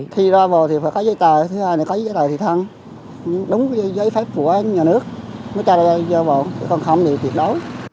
thì ra bộ thì phải có giấy tờ thứ hai thì phải có giấy tờ thị thân đúng giấy phép của nhà nước nó cho ra do bộ còn không thì tiệt đối